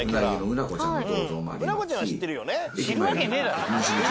うなこちゃんは知ってるよね？